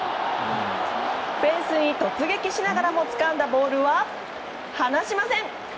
フェンスに突撃しながらもつかんだボールは離しません！